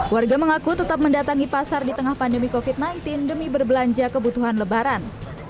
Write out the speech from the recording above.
warga mengaku tetap mendatangi pasar di tengah pandemi covid sembilan belas demi berbelanja kebutuhan lebaran